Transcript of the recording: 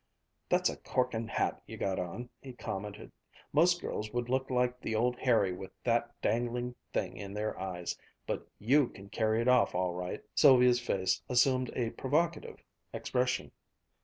"That's a corking hat you got on," he commented. "Most girls would look like the old Harry with that dangling thing in their eyes, but you can carry it off all right." Sylvia's face assumed a provocative expression.